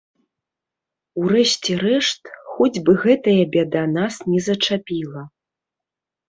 У рэшце рэшт, хоць бы гэтая бяда нас не зачапіла.